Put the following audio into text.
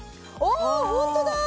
ホントだ！